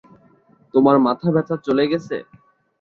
তোমার মাথা ব্যাথা চলে গেছে?